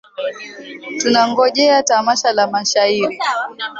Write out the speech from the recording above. Tunangojea tamasha la mashairi.